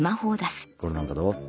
これなんかどう？